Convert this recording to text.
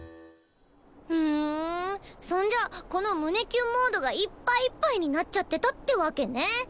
ふんそんじゃこの「胸キュンモード」がいっぱいいっぱいになっちゃってたってわけね。